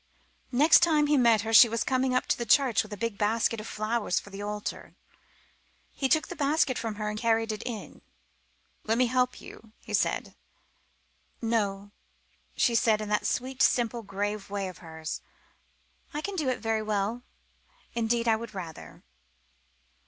Next time he met her she was coming up to the church with a big basket of flowers for the altar. He took the basket from her and carried it in. "Let me help you," he said. "No," she said in that sweet, simple, grave way of hers. "I can do it very well. Indeed, I would rather."